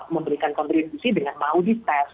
memberikan kontribusi dengan mau dites